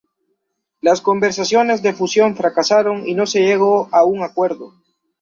Las conversaciones de fusión fracasaron y no se llegó a un acuerdo.